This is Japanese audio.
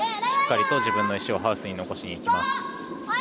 しっかりと自分の石をハウスに残しにいきます。